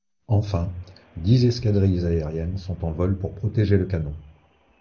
Enfin, dix escadrilles aériennes sont en vol pour protéger le canon.